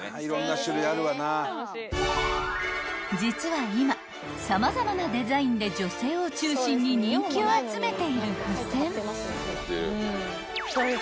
［実は今様々なデザインで女性を中心に人気を集めている付箋］